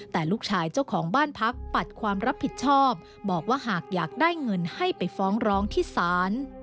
แต่ลูกชายเจ้าของบ้านพักปัดความรับผิดชอบบอกว่าหากอยากได้เงินให้ไปฟ้องร้องที่ศาล